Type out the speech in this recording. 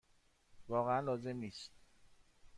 واقعا لازم نیست.